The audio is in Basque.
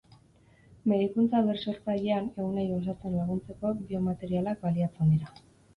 Medikuntza birsortzailean, ehunei osatzen laguntzeko biomaterialak baliatzen dira.